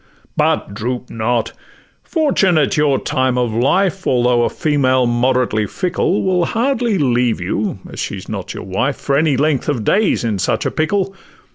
'But droop not: Fortune at your time of life, Although a female moderately fickle, Will hardly leave you (as she 's not your wife) For any length of days in such a pickle.